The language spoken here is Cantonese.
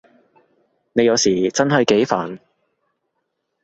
你有時真係幾煩